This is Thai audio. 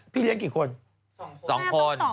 พี่เลี้ยงกี่คน๒คน